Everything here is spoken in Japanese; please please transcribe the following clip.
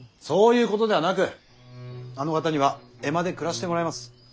そういうことではなくあの方には江間で暮らしてもらいます。